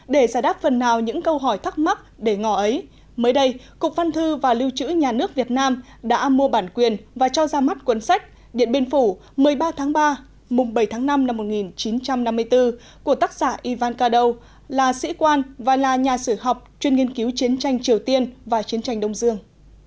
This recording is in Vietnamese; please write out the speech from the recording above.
để giải đáp phần nào những câu hỏi thắc mắc để ngỏ ấy mới đây cục văn thư và lưu trữ nhà nước việt nam đã mua bản quyền và cho ra mắt cuốn sách điện biên phủ một mươi ba tháng ba mùng bảy tháng năm năm một nghìn chín trăm năm mươi bốn của tác giả ivan kado là sĩ quan và là nhà sử học chuyên nghiên cứu chiến tranh triều tiên và chiến tranh đông dương